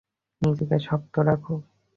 নিজেকে শক্ত রাখো।